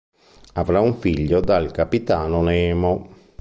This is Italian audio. Avrà un figlio dal capitano Nemo.